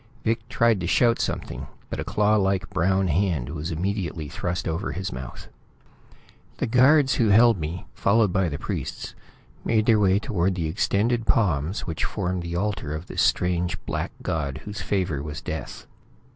Vic tried to shout something, but a claw like brown hand was immediately thrust over his mouth. The guards who held me, followed by the priests, made their way toward the extended palms which formed the altar of this strange black god whose favor was death.